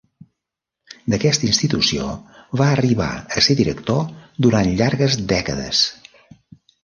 D'aquesta institució va arribar a ser director durant llargues dècades.